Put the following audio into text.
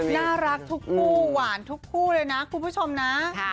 น่ารักทุกคู่หวานทุกคู่เลยนะคุณผู้ชมนะ